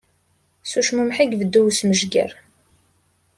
S ucmummeḥ i ibeddu usmejger.